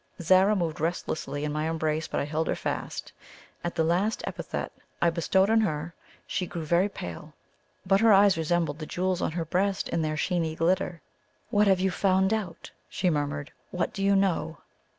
Zara moved restlessly in my embrace, but I held her fast. At the last epithet I bestowed on her, she grew very pale; but her eyes resembled the jewels on her breast in their sheeny glitter. "What have you found out?" she murmured. "What do you know?"